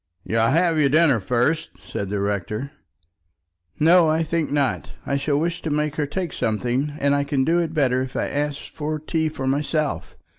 "You'll have your dinner first?" said the rector. "No, I think not. I shall wish to make her take something, and I can do it better if I ask for tea for myself.